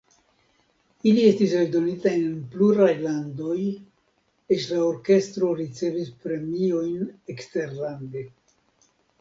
Ili estis eldonitaj en pluraj landoj, eĉ la orkestro ricevis premiojn eksterlande.